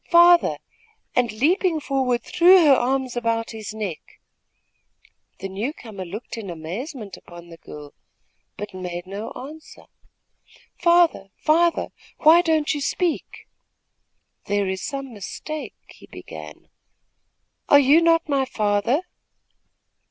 father!" and, leaping forward, threw her arms about his neck. The new comer looked in amazement upon the girl, but made no answer. "Father, father, why don't you speak?" "There is some mistake!" he began. "Are you not my father?"